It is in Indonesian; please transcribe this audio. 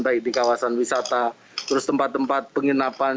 baik di kawasan wisata terus tempat tempat penginapan